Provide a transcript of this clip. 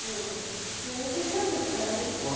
そういう時はどうしたらいいですか？